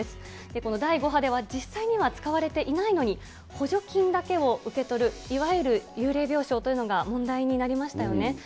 この第５波では実際には使われていないのに、補助金だけを受け取る、いわゆる幽霊病床というのが問題になりましたよね。